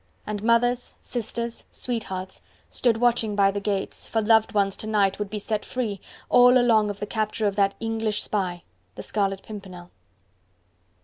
And mothers, sisters, sweethearts stood watching by the gates, for loved ones to night would be set free, all along of the capture of that English spy, the Scarlet Pimpernel.